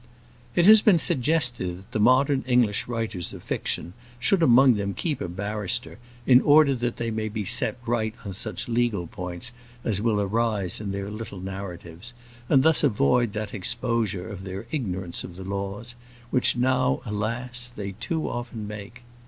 It has been suggested that the modern English writers of fiction should among them keep a barrister, in order that they may be set right on such legal points as will arise in their little narratives, and thus avoid that exposure of their own ignorance of the laws, which, now, alas! they too often make.